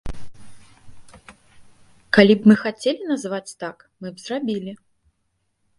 Калі б мы хацелі назваць так, мы б зрабілі.